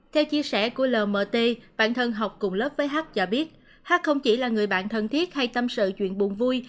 theo chia sẻ của lmt bản thân học cùng lớp với h cho biết hát không chỉ là người bạn thân thiết hay tâm sự chuyện buồn vui